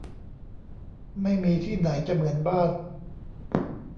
ไม่มีที่ไหนจะเหมือนบ้าน